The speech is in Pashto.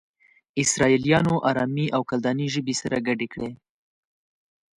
اسرائيليانو آرامي او کلداني ژبې سره گډې کړې.